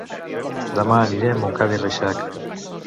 Dema aniré a Montcada i Reixac